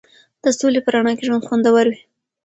د سولې په رڼا کې ژوند خوندور وي.